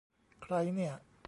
ใครเนี่ย !